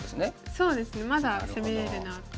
そうですねまだ攻めれるなと。